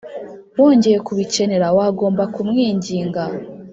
wongeye kubikenera, wagomba kumwinginga.